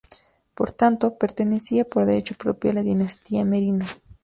Por tanto, pertenecía por derecho propio a la dinastía Merina.